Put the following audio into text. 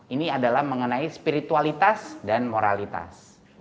ini adalah mengenai spiritualitas dan moralitas